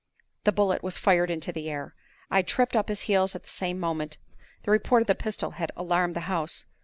The bullet was fired into the air. I tripped up his heels at the same moment. The report of the pistol had alarmed the house.